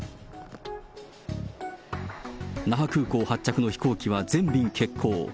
那覇空港発着の飛行機は全便欠航。